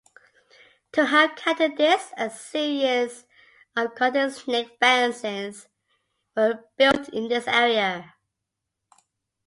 To help counter this, a series of 'garter-snake fences' were built in this area.